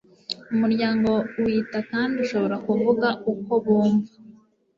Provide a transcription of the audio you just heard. umuryango wita kandi ushobora kuvuga uko bumva